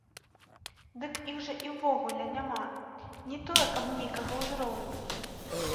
Дык іх жа і ўвогуле няма, не тое, каб нейкага ўзроўню!